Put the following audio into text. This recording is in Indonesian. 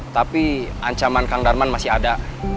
tapi ancaman kang darman masih ada